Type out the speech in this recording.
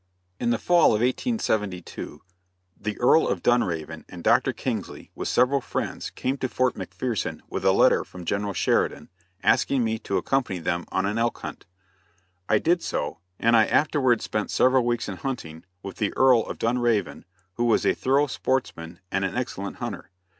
In the fall of 1872 the Earl of Dunraven and Dr. Kingsley with several friends came to Fort McPherson with a letter from General Sheridan, asking me to accompany them on an elk hunt. I did so, and I afterwards spent several weeks in hunting with the Earl of Dunraven, who was a thorough sportsman and an excellent hunter.